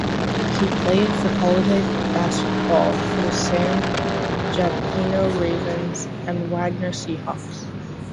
He played collegiate basketball for the San Jacinto Ravens and Wagner Seahawks.